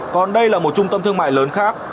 còn đây là một trung tâm thương mại lớn khác